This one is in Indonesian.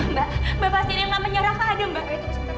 mbak mbak pastir yang namanya raka ada mbak